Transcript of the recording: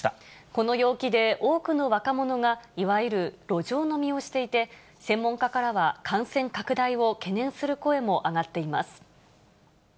この陽気で、多くの若者がいわゆる路上飲みをしていて、専門家からは、感染拡大を懸念する声も上がっています。